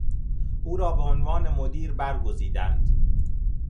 او را به عنوان مدیر برگزیدند.